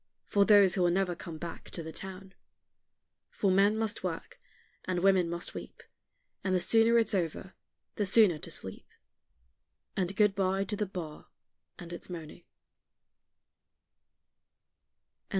For those who will never come back to the town; For men must work, and women must weep, And the sooner it's over, the sooner to sleep, And good bye to the bar and its moaning.